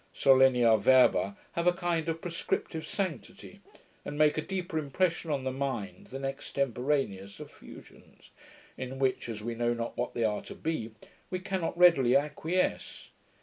Solennia verba have a kind of prescriptive sanctity, and make a deeper impression on the mind than extemporaneous effusions, in which, as we know not what they are to be, we cannot readily acquiesce.